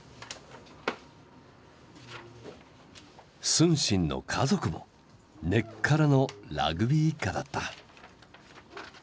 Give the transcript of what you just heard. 承信の家族も根っからのラグビー一家だった。